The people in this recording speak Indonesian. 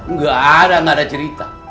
nggak ada ngada cerita